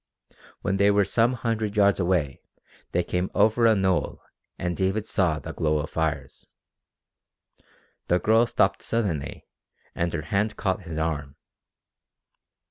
When they were some hundred yards away they came over a knoll and David saw the glow of fires. The girl stopped suddenly and her hand caught his arm.